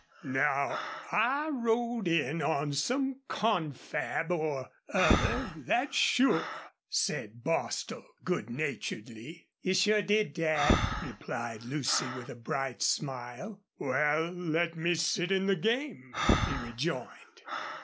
"Now I rode in on some confab or other, that's sure," said Bostil, good naturedly. "You sure did, Dad," replied Lucy, with a bright smile. "Wal, let me sit in the game," he rejoined.